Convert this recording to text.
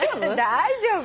大丈夫？